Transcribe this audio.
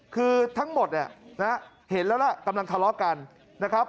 คือทั้งหมดเห็นแล้วล่ะกำลังทะเลาะกัน